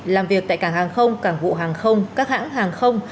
làm việc tại cảng hàng không cảng vụ hàng không các hãng hàng không